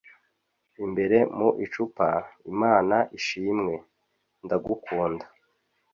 imbere mu icupa, imana ishimwe! ndagukunda